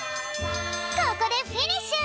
ここでフィニッシュ！